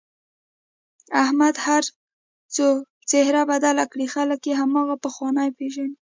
احمد که هرڅو څهره بدله کړي خلک یې هماغه پخوانی پېژني.